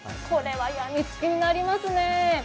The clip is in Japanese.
これはやみつきになりますね。